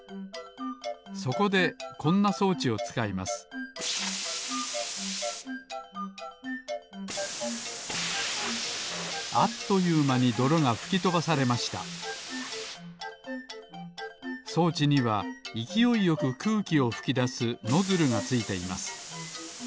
そこでこんなそうちをつかいますあっというまにどろがふきとばされましたそうちにはいきおいよくくうきをふきだすノズルがついています。